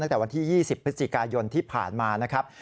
ตั้งแต่วันที่๒๐พฤศจิกายนที่ผ่านมานะครับ